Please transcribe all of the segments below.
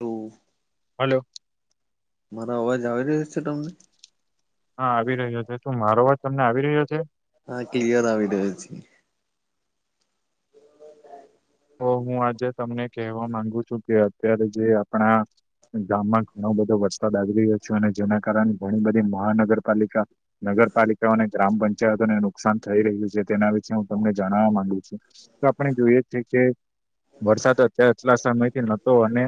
તો હલો મારો અવાજ આવી રહ્યો છે તમને હા આવી રહ્યો છે શું મારો અવાજ તમને આવી રહ્યો છે. હા ક્લિર આવી રહ્યો છે. ઓ હું આજે તમને કહેવા માંગુ છું કે અત્યારે જે આપણા ગામમાં ઘણો બધો વરસાદ આવી રહ્યો છે અને જેના કારણે ઘણી બધી મહાનગરપાલિકા નગરપાલિકાઓ અને ગ્રામ પંચાયતોને નુકસાન થઈ રહ્યું છે તેના વિશે હું તમને જણાવવા માંગુ છું. આપણે જોઈએ છેએ કે વરસાદ અત્યારે આટલા સમય થી નતો અને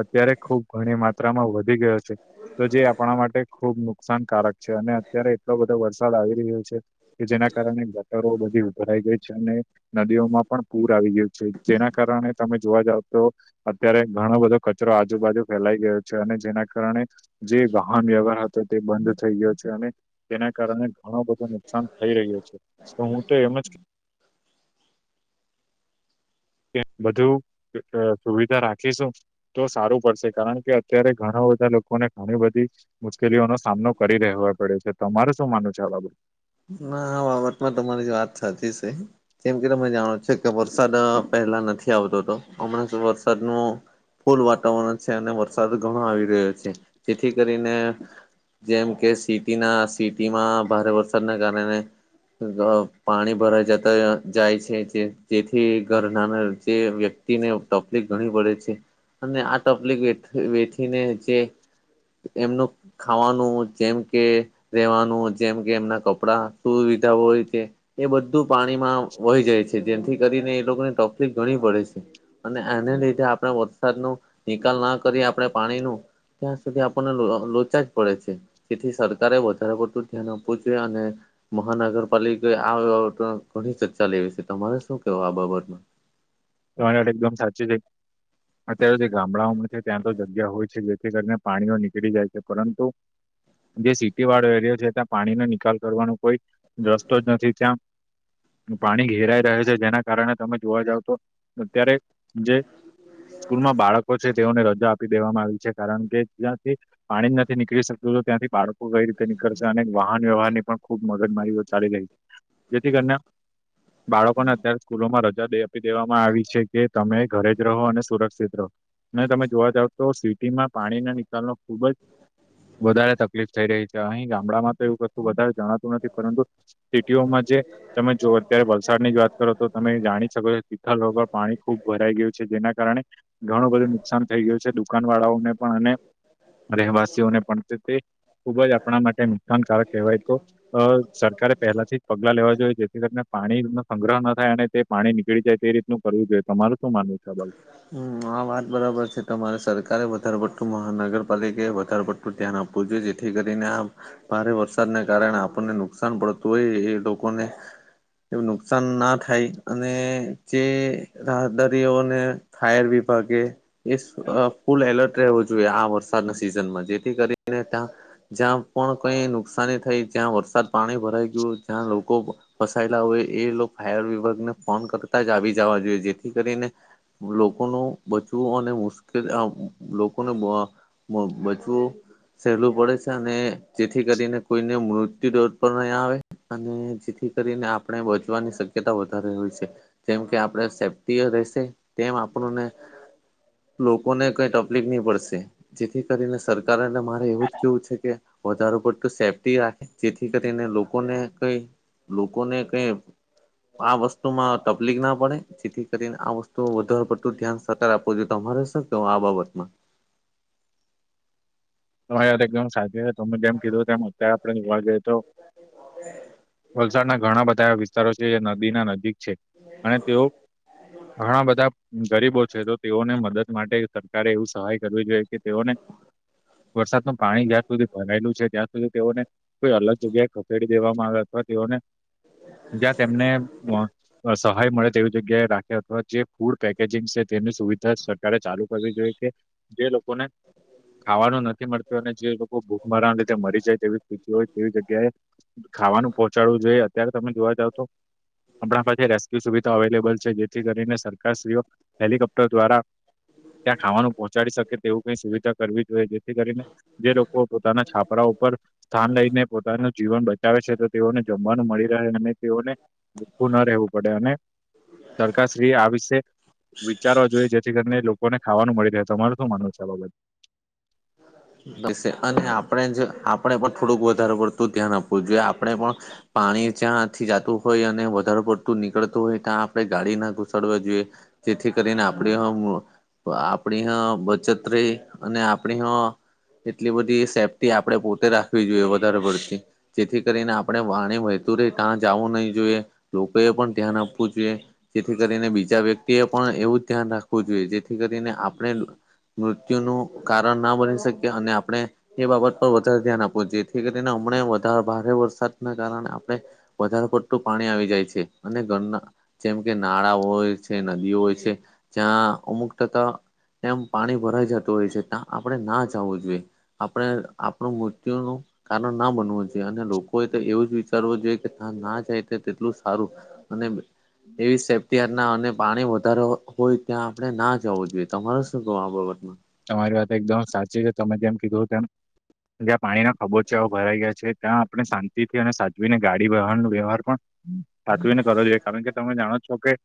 અત્યારે ખુબ ઘણી માત્રામાં વધી ગયો છે. તો જે આપણા માટે ખુબ નુકસાનકારક છે અને અત્યારે એટલો બધો વરસાદ આવી રહ્યો છે. કે જેના કારણે ગટરો બધી ઉભરાઈ ગઈ છે અને નદીઓમાં પણ પૂર આવી ગયું. જેના કારણે તમે જોવા જાવ તો. અત્યારે ઘણો બધો કચરો આજુબાજુ ફેલાઈ ગયો છે અને જેના કારણે. જે વાહન વ્યવહાર હતો તે બંધ થઈ ગયો છે અને તેના કારણે ઘણો બધો નુકસાન થઈ રહ્યો છે તો હું તો એમ જ કે બધું સુવિધા રાખીશું તો સારું પડશે કારણ કે અત્યારે ઘણા બધા લોકો લોકોને ઘણી બધી મુશ્કેલીઓનો સામનો કરી રહેવા પડ્યો છે તમારે શું માન છે આ બાબત ના આ બાબતમાં તમારી વાત સાચી છે. જેમ કે તમે જાણો છો કે વરસાદ પહેલા નથી આવતો તો હમણાં વરસાદ નો ફૂલ વાતાવરણ છે અને વરસાદ ઘણો આવી રહ્યો છે જેથી કરીને જેમ કે સિટીના સિટીમાં ભારે વરસાદના કારણે પાણી ભરાઈ જતા જાય છે જેથી ઘરનાના જે વ્યક્તિ ને તકલીફ ઘણી પડે છે અને આ તકલીફ વેઠીને જે એમનું ખાવાનું જેમ કે રેવાનું જેમ કે એમના કપડા સુવિધા હોય છે એ બધું પાણીમાં વહી જાય છે જેથી કરીને એ લોકોને તકલીફ ઘણી પડે છે અને એને લીધે આપણે વરસાદ ન નિકાલ ના કરી આપણે પાણી ન ત્યાં સુધી આપણને લોચા જ પડે છે જેથી સરકારે વધારે પડતુ ધ્યાન આપવ [unintelligible] મહાનગરપાલિકાએ આ બાબત ઘણી ચર્ચા લેવી છે તમારે શું કેવું આ બાબતમાં તમારી વાત એકદમ સાચી છે અત્યારે છે ગામડા ત્યાં તો જગ્યા હોય છે જેથી કરીને પાણીઓ નીકળી જાય છે પરંતુ જે સિટી વાળો એરિયો છે ત્યાં પાણીનો નિકાલ કરવાનો કોઈ રસ્તો જ નથી ત્યાં પાણી ઘેરાઈ રહે છે જેના કારણે તમે જોવા જાવ તો અત્યારે જે સ્કૂલમાં બાળકો છે તેઓને રજા આપી દેવામાં આવી છે કારણ કે જ્યાથી પાણી નથી નીકળી શકતું તો ત્યાંથી બાળકો કઈ રીતે નીકળશે અને વાહન વ્યવહાર ની પણ ખૂબ મગજ મારીઓ ચાલી રહી છે જેથી કરીને બાળકોને અત્યારે સ્કૂલો માં રજા બેે કહેવામાં આવી છે કે તમે ઘરે જ રહો અને સુરક્ષિત રહો અને તમે જોવા જાવ તો સિટીમાં પાણીના નિકાલનો ખુબ જ વધારે તકલીફ થઈ રહી છે અહી ગામડામાં તો એવું કતું વધારે જણાતું નથી પરંતુ સિટીઓમાં જે તમે જો અત્યારે વલસાડ ની વાત કરો તો તમે જાણી શકો છો રોગ પાણી ખૂબ ભરાઈ ગયું છે જેના કારણે ઘણું બધું નુકસાન થઈ ગયું છે દુકાન વાળાઓને પણ અને રહેવાસીઓને પણ તે ખુબ જ આપણા માટે નુકસાનકારક કહેવાય તો અ સરકારે પહેલાથી જ પગલા લેવા જોઈએ જેથી કરીને પાણી નો સંગ્રહ ન થાય અને તે પાણી નીકળી જાય તે રીતનું કરવું જોઈએ તમાર શું માનવું છે ભાઈ હમ આ વાત બરાબર છે તમારે સરકારે વધારે પડતું મહાનગરપાલિકાએ વધારે પડતું ધ્યાન આપવું જોઈએ જેથી કરીને આ ભારે વરસાદને કારણે આપણને નુકસાન પડતું હોય એ લોકોને એવું નુકસાન ના થાય અને જે રાહદારીઓને હાયર વિભાગે એ ફૂલ એલર્ટ રહેવું જોઈએ આ વરસાદના સિઝનમાં જેથી કરીને ત્યાં જ્યાં પણ કઈ નુકસાની થઈ જ્યાં વરસાદ પાણી ભરાઈ ગયું જ્યાં લોકો ફસાયેલા હોય એ લોકો ફાયર વિભાગને ફોન કરતા જ આવી જવા જોઈએ જેથી કરીને લોકોનું બચવું અને મુશ્કેલ લોકોને [inaudible] બચવું સહેલું પડે છે અને જેથી કરીને કોઈને મૃત્યુ દોડ પર નહીં આવે અને જેથી કરીને આપણે બચવાની શક્યતા વધારે હોય છે જેમ કે આપડ સેફ્ટીઓ રહેશે તેમ આપણુંને લોકોને કઈ તકલીફ નહી પડશે જેથી કરીને સરકારને મારે એવું જ કેવું છે કે વધારે પડતું સેફ્ટી રાખે જેથી કરીને લોકોને કઈ લોકોને કઈ આ વસ્તુમાં તકલીક ના પડે જેથી કરીને આ વસ્તુ તો વધારે પડતું ધ્યાન સરકાર આપવું જોઈએ તમારે શકવા આ બાબતમાં તમારી યા એકદમ સાચી છે તમે જેમ કીધું તેમ અત્યારે આપણે જોવા જઈ તો [inaudible] વલસાડના ઘણા બધા એવા વિસ્તારો છે જે નદીના નજીક છે અને તેઓ ઘણા બધા ગરીબો છે તો તેઓને મદદ માટે સરકારે એવું સહાય કરવી જોઈએ કે તેઓને વરસાદનું પાણી જ્યાં સુધી ભરાયેલું છે ત્યાં સુધી તેઓને કોઈ અલગ જગ્યાએ ખસેડી દેવામાં આવે અથવા તેઓને જ્યાં તેમને સહાય મળે તેવી જગ્યાએ રાખે અથવા જે ફૂડ પેકેજિંગ છે તેની સુવિધા સરકારે ચાલુ કરવી જોઈએ કે જે લોકો ને ખાવાનું નથી મળતું અને જે લોકો ભૂખમરના લીધે મરી જાય તેવી સ્થિતિ હોય તેવી જગ્યાએ ખાવાનું પહોંચાડવું જોઈએ અત્યારે તમે જોવા જાવ તો આપણા પાસે રેસ્ક્યુ સુવિધા અવેલેબલ છે. જેથી કરીને સરકારશ્રીઓ હેલિકોપ્ટર દ્વારા ત્યાં ખાવાનું પહોંચાડી શકે તેવું કઈ સુવિધા કરવી જોઈએ જેથી કરીને-' જે લોકો પોતાના છાપરા ઉપર સ્થાન લઈને પોતાનું જીવન બચાવે છે તો તેઓને જમવાનું મળી રહે અને તેઓને ભખું ના રહેવું પડે અને સરકારશ્રીએ આ વિષ વિચારવા જોઈએ જેથી કરીને લોકોને ખાવાનું મળી રહે તમારે તો માન ચાલો ભાઈ અને આપણે જ આપણે પણ થોડુંક વધારે પડતું ધ્યાન આપવું જોઈએ આપણે પણ પાણી જ્યાંથી જતું હોય અને વધારે પડતું નીકળતું હોય ત્યાં આપણે ગાડી ના ઘુસાડવા જોઈએ. જેથી કરીને આપણી આપણી બચત રહી અને આપણી એટલી બધી સેફ્ટી આપે પોતે રાખવી જોઈએ વધારે પડતી જેથી કરીને આપણે વાણી વહેતું ર ત્યાં જવું નહી જોઈએ લોકોએ પણ ધ્યાન આપવું જોઈએ. જેથી કરીને બીજા વ્યક્તિ એ પણ એવું જ ધ્યાન રાખવું જોઈએ જેથી કરીને આપણે મૃત્યુનું કારણ ના બની શકી અને આપણે એ બાબત પર વધારે ધ્યાન આપવું જોઈએથી કરીને હમ વધારે ભારે વરસાદને કારણે આપણે વધારે પડતું પાણી આવી જાય છે અને ઘરના જેમ કે નાળા હોય છે નદીઓ હોય છે જ્યાં અમુક ટકા તેમ પાણી ભરાઈ જતું હોય છે ત્યાં આપણે ના જું જોઈએ. આપણે આપણું મૃત્યુ ન કારણ ના બનવું છે અને લોકો એ તો એવું જ વિ કરવો જોઈએ કે ત ના જાય તેટલું સારું અને એવી સેફ્ટયારના અને પાણી વધારે હોય ત્યાં આપણે ના જવું જોઈએ તમારે શું કહું આ બાબતમાં તમારી વાત એકદમ સાચી છે તમે જેમ કીધું તેમ જ્યાં પાણીના ખબોચાઓ ભરાઈ ગયા છે. ત્યાં આપણે શાંતિથી અને સાધવીને ગાડી વહણનો વ્યવહાર પણ સાચવી ને કરો જોઈએ. કારણ કે તમે જાણો છો કે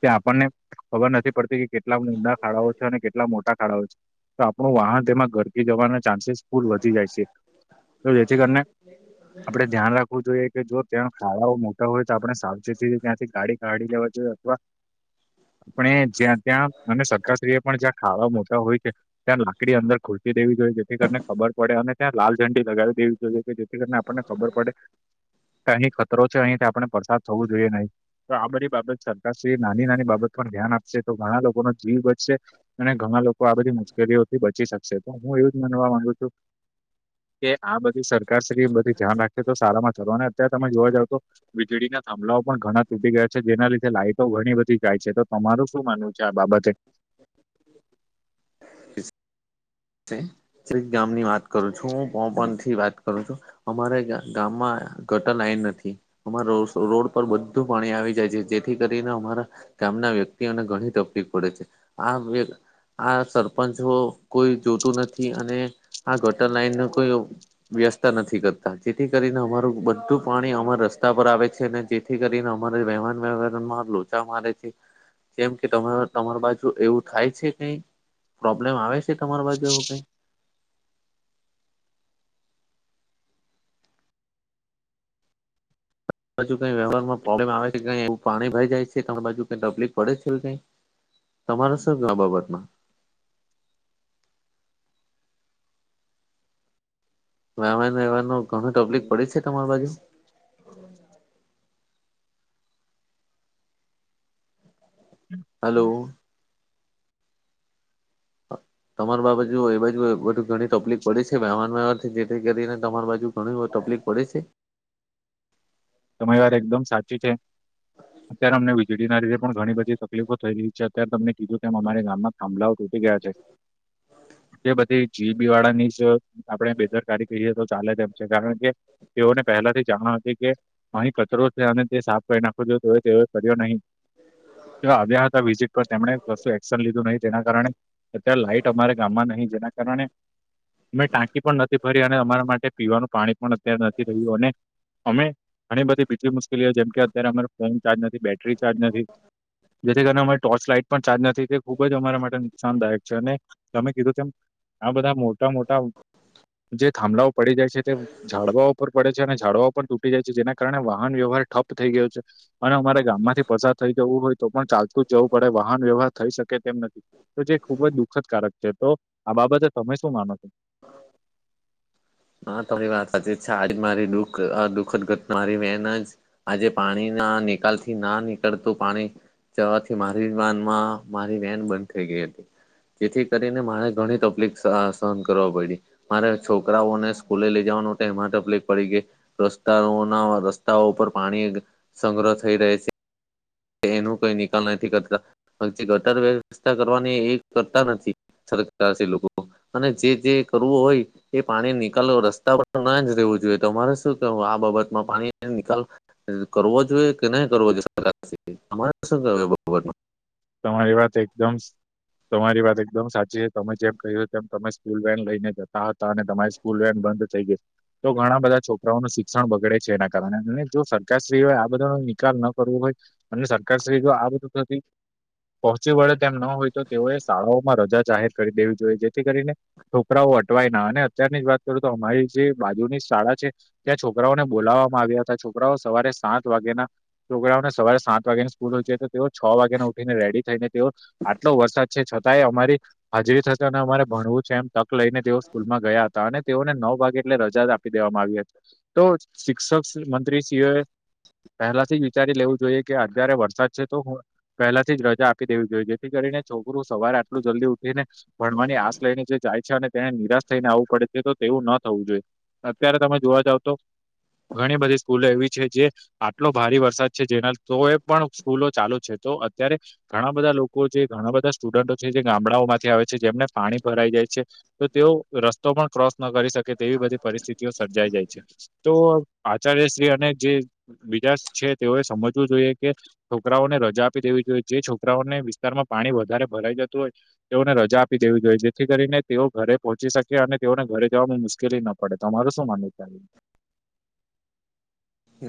ત્યાં આપણને ખબર નથી પડતી કે કેટલાક ંદખાડાાઓ છે અને કેટલા મોટા ય છે તો આપણું વાહન તેમાં ઘરકી જવાના ચાન્સીસ ફૂલ વધી જાય છે. તો જે છે કરીને આપડે ધ્યાન રાખવું જોઈએ કે જો ત્યાં ખાડાઓ મોટા હોય તો આપણે સાવચેતી ત્યાંથી ગાડી કાઢી લેવા જોઈ અથવા આપણે જ્યાં ત્યાં અને સરખશ્રીએ પણ જ્યાં ખાવા મ તો હોય છે. ત્યાં લાકડી અંદર ખુલસી દેવી જોઈએ જેથી કરીને ખબર પડે અને ત્યાં લાલ ઝંડી લગાવી દેવી જોઈએ કે થી કરીને આપણને ખબર પડે અહીં ખતરો છે અહીંથી આપણે વરસાદ થવો જોઈએ નહી. તો આ બધી બાબત સરકારશ્રી નાની નાની બાબત પર ધ્યાન આપશે તો ઘણા લોકો ન જીવ વધચશે. અને ઘણા લોકો આ બધી મુશ્કેલીઓથી બચી શકશે તો હું એવું જ માનવા માંગુ છું કે આ બધી સર એ બધી ધ્યાન રાખીએ તો સારામા સારુ અને અત્યારે તમે જોવા જાવ તો વીજળીના થભલાઓ પણ ઘણા તૂટી ગયા છે જેના લીધે લાઈઇટો ઘણી બધી જાય છે. તો તમારું શું માનવું છે. આ બાબતે એક ગામની વાત કરું છું હું પોપન થી વાત કરું છું. અમારે ગામમાં ગટર લાઈન નથી. અમા રોડ પર બધું પાણી આવી જાય છે. જેથી કરીને અમારા ગામના વ્યક્તિઓને ઘણી તકલીફ પડે છે. આ આ સરપંચ કોઈ જોતું નથી. અને આ ગટર લાઈન ન કોઈ વ્યસ્તા નથી. કરતા જેથી કરીને અમાર બધું પાણી અમાર રસ્તા પર આવે છે. અને થી કરીને અમારે વહેમાન વ્યવાર માં લોચા મારે છે. જેમ કે તમારી બાજુ એવું થાય છે. કઈ પ્રોબ્લેમ આવે છે. તમાર બાજ જો એવું કઈ બાજુ કઈ વ્યહારમાંોપબ્લેમ આવે છે કઈ એવું પાણી ભઈ જાય છે બાજુ કઈ તકલીફ પડે છે કઈ તમારા સર આ બાબતમાં એને એવાનું ઘણું તબ્લીિક પડી છે તમારી બાજુ હલો તમારી તમાર બાજુ એ બાજુ બધું ઘણી તકલીફ પડી છે વહન વ્યવહારથી જેથી કરીને તમાર બાજુ ઘણી બધી તકલીફ પડે છે તમારી વાર એકદમ સાચી છે અત્યારે અમને વીજળીના લીેધે પણ ઘણી બધી તકલીફો થઈ રહી છે અત્યારે તમને કીધું કે અમા ગામમાં થાંભલાઓ તૂટી ગયા છે [inaudible] જે બધી જીઈબી વાળા ની જ આપણે બેદરકારી કહીએ તો ચાલે એ છે કારણ કે તેઓને પહેલાથી જાણ હતી કે અહી કચરો છે અને તે સાફ કરી નાખો જો તો તે કર્યો નહીં આવ્યા હતા વિઝિટ પર તેમણે કશુ એક્શન લીધું નહી તેના કારણે અત્યારે લાઈટ અમારા ગામમાં નહી જેના કારણે અમે ટાંકી પણ નથી વરી અને અમારા માટે પીવાનું પાણી પણ અત્યારે નથી રહ્યું અને અમે ઘણી બધી બીજી મુશ્કેલીઓ જેમ કે અત્યારે અમારો ફોન ચાર્જ નથી બેટરી ચાર્જ નથી જેથી કરીને અમારી ટોર્ચ લાઈટ પણ ચાલતી નથી તે ખુબ જ અમારા માટે નુકસાનદાયક છે અને તમે કીધું તેમ આ બધા મોટા મોટા જે થાંભલાઓ પડી જાય છે તે ઝાડવાઓ ઉપર પડે છે અને ઝાડવાઓ પણ તૂટી જાય છે જેના કારણે વાહન વ્યવહાર ઠપ થઈ ગયો છે અને અમારે ગામ માંથી પસાર થઇ જવું હોય તો પણ ચાલતું જ જવું પડે વાહન વ્યવહાર થઈ શકે તેમ નથી તો જે ખુબ જ દુઃખદકારક છે તો આ બાબતે તમે શું માનો છો હ તારી વાત સાચી છે આજ મારી દુઃખ દુખદગત મારી વન જ આજે પાણીના નિકાલ થી ના નીકળતું પાણી જવાથી મારી વાન માં મારી વાન બંધ થઈ ગઈ હતી જેથી કરીને મારે ઘણી તકલીફ સહન કરવા પડી મારે છોકરાઓને સ્કૂલે લઈ જવાનું હત એમાં તકલીફ પડી ગઈ રસ્તાઓના રસ્તાઓ ઉપર પાણી સંગ્રહ થઈ રહે છે એનું કઈ નિકાલ નથી કરતા ગટર વ્યવસ્થા કરવાની એ કરતા નથી સરકાર લોકો અને જે જે કરવું હોય એ પાણી ની રસ્તા પર ના જ રહેવું જોઈએ તો તમારે શું કેવું આ બાબતમાં પાણી નિકાલ કરવો જોઈએ કે નહી કરવો જોઈએ સરકારથી તમારે શું કે બર તમારી વાત એકદમ તમારી વાત એકદમ સાચી છે તમે જેમ કહ્યું તેમ તમે સ્કૂલ વાન લઈને જતા હતા અને તમારે સ્કૂલ વાન બંધ થઈ ગઈ તો ઘણા બધા છોકરાઓનું શિક્ષણ બગડે છે એના કારણે અને જો સરકારશ્રીઓએ આ બધા નો નિકાલ ન કરવો હોય અને સરકાર શ્રી જો આ બધું થતી પહોંચી વળે તેમ ન હોય તો તેઓએ શાળાઓમાં રજા જાહેર કરી દેવી જોઈએ જેથી કરીને છોકરાઓ અટવાય ના અને અત્યારની જ વાત કરું તો અમારી જે બાજુની શાળા છે ત્યાં છોકરાઓને બોલાવવામાં આવ્યા હતા છોકરાઓ સવારે સાત વાગેના છોકરાઓને સવારે સાત વાગ્યાની સ્કૂલ હોય છે તો તેઓ છ વાગ્યા નો રેડી થઈને તેઓ આટલો વરસાદ છે છતાંય અમારી હાજરી થશે અને અમારે ભણવું છે એમ તક લઈને તેઓ સ્કૂલમાં ગયા હતા હતા અને તેઓને નવ ભગે એટલે રજા આપી દેવામાં આવી હતી તો શિક્ષક મંત્રીશ્રીઓએ પહેલાથી વિચારી લેવું જોઈએ કે અત્યારે વરસાદ છે તો પહેલાથી જ રજા આપી દેવી જોઈએ જેથી કરીને છોકરું સવારે આટલું જલ્દી ઉઠીને ભણવાની આશ લઈને જે જાય છે અને તેને નિરાશ થઈને આવવું પડે છે તો તેવું ન થવું જોઈએ અત્યારે તમે જોવા જાવ તો ઘણી બધી સ્કૂલો એવી છે જે આટલો ભારે વરસાદ છે જેના તો એ પણ સ્કૂલો ચાલુ છે તો અત્યારે ઘણા બધા લોકો છે ઘણા બધા સ્ટુડન્ટો છે જે ગામડાઓમાંથી આવે છે જેમને પાણી ભરાઈ જાય છે તો તેઓ રસ્તો પણ ક્રોસ ન કરી શકે તેવી બધી પરિસ્થિતિઓ સર્જાઈ જાય છે તો આચાર્યશ્રી અને જે બીજા છે તેઓએ સમજવું જોઈએ કે છોકરાઓને રજા આપી દેવી જોઈએ. જે છોકરાઓને વિસ્તારમાં પાણી વધારે ભરાઈ જતું હોય તેઓને રજા આપી દેવી જોઈએ જેથી કરીને તેઓ ઘરે પહોંચી શકે અને તેઓને ઘરે જવામાં મુશ્કેલી ન પડે. પડે તો તમારે શું માન છે? [unintelligible]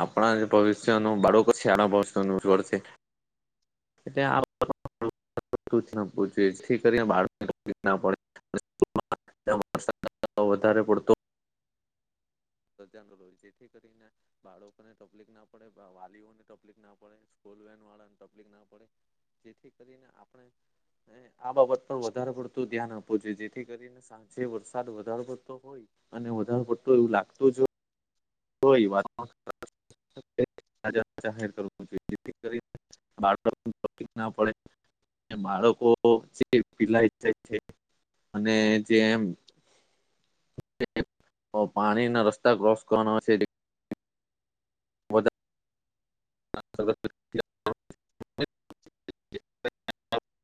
આપણા જે ભવિષ્ય ન બાળકો છે ત્યાનાભવિષ્ય નુ ઉજ્જવળ છે. એ [unintelligible] જેથી કરીને બાળકને તકલીફ ના પડે. વધારે પડતો [unintelligible] સજાંગ હોય જેથી કરીને [unintelligible] લોકોને તકલીફ ના પડે વાલીઓને તકલીફ ના પડે સ્કૂલ વેન વાળા ને તકલીફ ના પડે. જેથી કરીને આપ [inaudible] આ બાબત પર વધારે પડતું ધ્યાન આપવું જોઈએ જેથી કરીને આજે વરસાદ વધારે પડતો હોય અને વધારે પડતો એવું લાગતુ જ હોય કોઈ વાત ન [inaudible] બાળકો જે પીલાય જાય છે અને જેમ પાણી ના રસ્તા ક્રોસ કરવાના હોય છે હા સ [unintelligible]